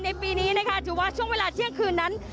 ปีนี้นะคะถือว่าช่วงเวลาเที่ยงคืนนั้น